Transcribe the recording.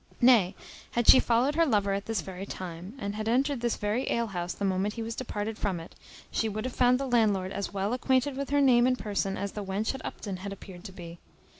Nay, had she followed her lover at this very time, and had entered this very alehouse the moment he was departed from it, she would have found the landlord as well acquainted with her name and person as the wench at Upton had appeared to be.